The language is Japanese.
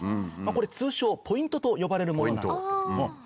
これ通称ポイントと呼ばれるものなんですけれども。